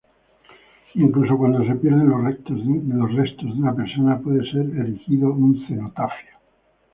Incluso cuando se pierden los restos de una persona, puede ser erigido un cenotafio.